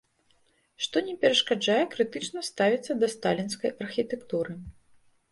Што не перашкаджае крытычна ставіцца да сталінскай архітэктуры.